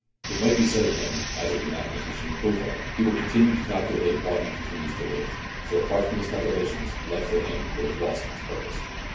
It might be said of him, as of the mathematician Bouvard, " He will continue to calculate while he continues to live;" for apart from his calculations life for him would have lost its purpose.